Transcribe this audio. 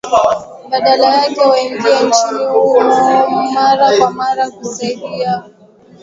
badala yake waingie nchini humo mara kwa mara kusaidia hatua ambayo